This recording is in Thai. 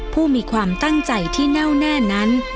ผู้มีความตั้งใจที่เน่าแน่นั้น